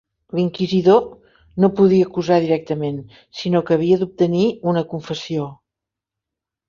L'inquisidor no podia acusar directament, sinó que havia d'obtenir una confessió.